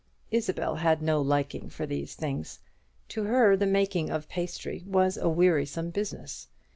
Isabel had no liking for these things; to her the making of pastry was a wearisome business.